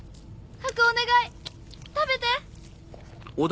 ハクお願い食べて。